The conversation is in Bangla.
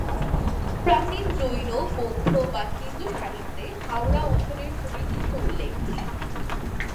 প্রাচীন জৈন, বৌদ্ধ বা হিন্দু সাহিত্যে হাওড়া অঞ্চলের সুনির্দিষ্ট উল্লেখ নেই।